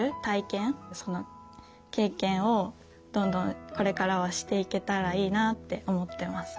その経験をどんどんこれからはしていけたらいいなって思ってます。